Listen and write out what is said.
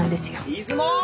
出雲！